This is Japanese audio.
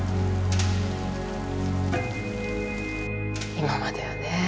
今まではね